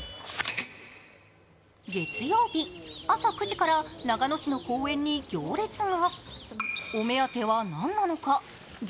月曜日、朝９時から長野市の公園に行列が。